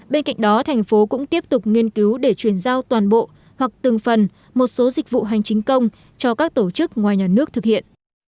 bên cạnh đó thành phố cũng tiếp tục nghiên cứu để chuyển giao toàn bộ hoặc từng phần một số dịch vụ hành chính công cho các tổ chức ngoài nhà nước thực hiện